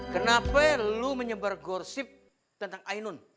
kenapa lu menyebar gorsip tentang ayah nun